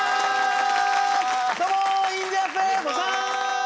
どうもインディアンスです！